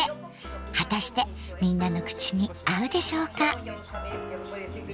果たしてみんなの口に合うでしょうか？